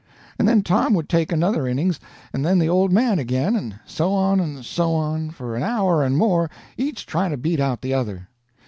And then Tom would take another innings, and then the old man again—and so on, and so on, for an hour and more, each trying to beat out the other.